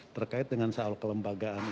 terkait dengan soal kelembagaan